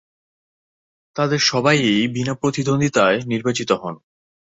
তাদের সবাই-ই বিনা প্রতিদ্বন্দ্বিতায় নির্বাচিত হন।